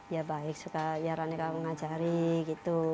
ya baik suka ya ranika mengajari gitu